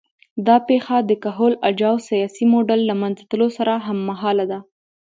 دا پېښه د کهول اجاو سیاسي موډل له منځه تلو سره هممهاله ده